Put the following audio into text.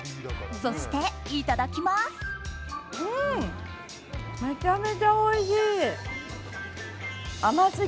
そして、いただきます！